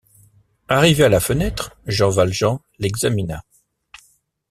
Arrivé à la fenêtre, Jean Valjean l’examina.